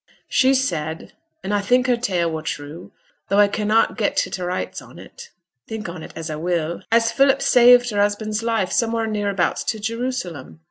'She said and I think her tale were true, though I cannot get to t' rights on it, think on it as I will as Philip saved her husband's life somewheere nearabouts to Jerusalem.